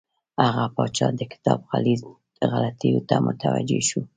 هغه پاچا د کتاب غلطیو ته متوجه شو.